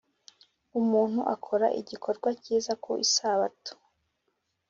umuntu akora igikorwa cyiza ku isabato